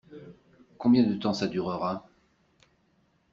Combien de temps ça durera ?